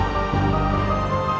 ini seharusnya antara saya dan bu rosa